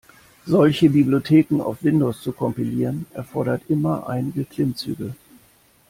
Solche Bibliotheken auf Windows zu kompilieren erfordert immer einige Klimmzüge.